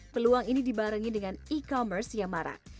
peluang ini dibarengi dengan e commerce yang marak